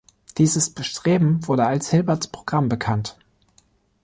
Dieses Bestreben wurde als Hilberts Programm bekannt.